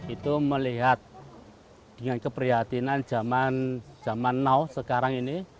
itu melihat dengan keprihatinan zaman now sekarang ini